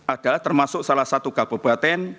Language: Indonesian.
adalah termasuk salah satu kabupaten